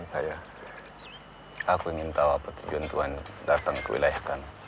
saya ingin tahu apa tujuan yang datang kemarin